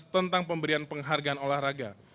tentang pemberian penghargaan olahraga